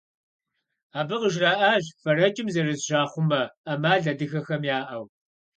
Абы къыжраӏащ фэрэкӏым зэрызыщахъумэ ӏэмал адыгэхэм яӏэу.